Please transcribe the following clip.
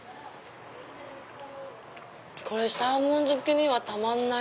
サーモン好きにはたまんない！